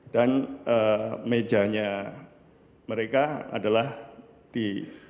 mejanya mereka adalah di